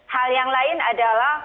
hal yang lain adalah